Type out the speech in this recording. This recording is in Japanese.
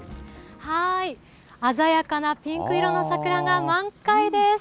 鮮やかなピンク色の桜が満開です。